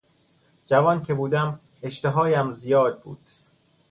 جوان که بودم اشتهایم زیاد بود.